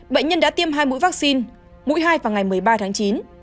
bệnh nhân đã tiêm hai mũi vaccine mũi hai vào ngày một mươi ba tháng chín